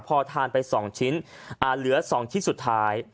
พอทานไป๒ชิ้นเหลือ๒ชิ้นสุดท้าย